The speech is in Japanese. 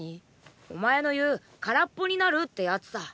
お前の言うからっぽになるってやつさ。